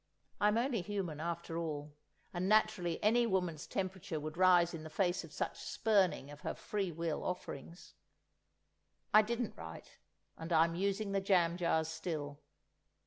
I'm only human after all, and naturally any woman's temperature would rise in the face of such spurning of her free will offerings. I didn't write, and I'm using the jam jars still.